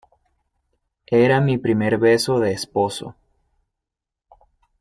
era mi primer beso de esposo.